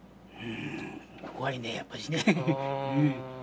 怖いね、やっぱしね。